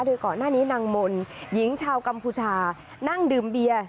โดยก่อนหน้านี้นางมนต์หญิงชาวกัมพูชานั่งดื่มเบียร์